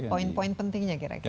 poin poin pentingnya kira kira